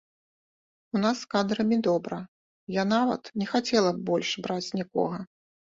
У нас з кадрамі добра, я нават не хацела б больш браць нікога.